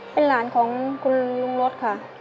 เป็นหลานของคุณลุงรถค่ะ